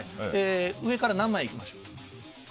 上から何枚いきましょう？